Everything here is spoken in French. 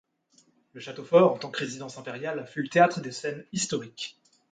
Le château fort, en tant que résidence impériale, fut le théâtre de scènes historiques.